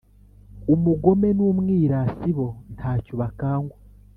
umugome n’umwirasi bo nta cyo bakangwa.